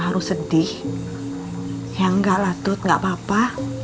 harus sedih ya enggak lah tut enggak apa apa